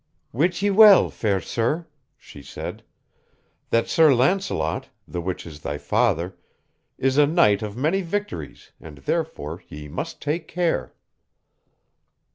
"Wit ye well, fair sir," she said, "that Sir Launcelot, the which is thy father, is a knight of many victories, and therefore ye must take care."